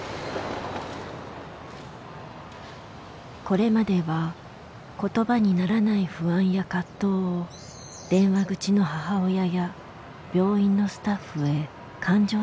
これまでは言葉にならない不安や葛藤を電話口の母親や病院のスタッフへ感情的にぶつけてきた。